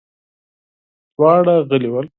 دواړه غلي ول.